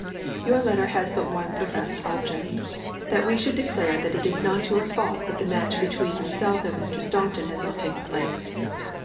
Your letter has but one professed object; that we should declare that it is not your fault that the match between yourself and Mr. Staunton has not taken place.